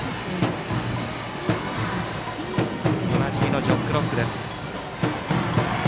おなじみの「ジョックロック」です。